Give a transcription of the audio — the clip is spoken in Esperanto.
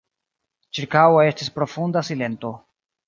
Ĉirkaŭe estis profunda silento.